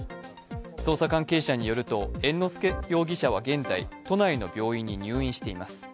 捜査関係者によると、猿之助容疑者は現在、都内の病院に入院しています。